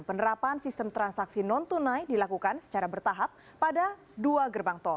penerapan sistem transaksi non tunai dilakukan secara bertahap pada dua gerbang tol